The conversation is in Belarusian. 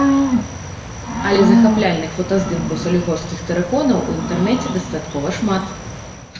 Але захапляльных фотаздымкаў салігорскіх тэрыконаў у інтэрнэце дастаткова шмат.